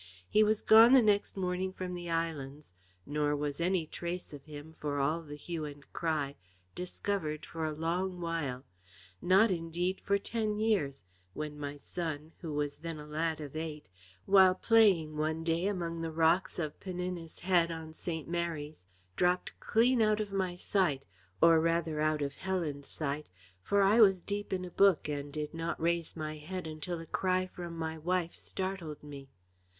He was gone the next morning from the islands, nor was any trace of him, for all the hue and cry, discovered for a long while not, indeed, for ten years, when my son, who was then a lad of eight, while playing one day among the rocks of Peninnis Head on St. Mary's, dropped clean out of my sight, or rather out of Helen's sight, for I was deep in a book, and did not raise my head until a cry from my wife startled me.